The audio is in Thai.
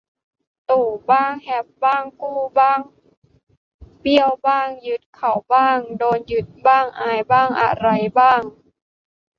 ตู่บ้าง แฮปบ้าง กู้บ้าง เบี้ยวบ้าง ยึดเขาบ้าง โดนยึดบ้าง อายบ้าง อะไรบ้าง